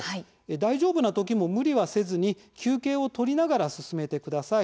大丈夫な時も無理はせずに休憩を取りながら進めてください。